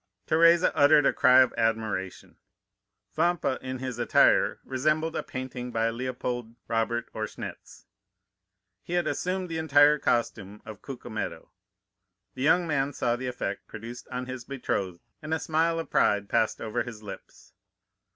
"Teresa uttered a cry of admiration. Vampa in this attire resembled a painting by Léopold Robert or Schnetz. He had assumed the entire costume of Cucumetto. The young man saw the effect produced on his betrothed, and a smile of pride passed over his lips.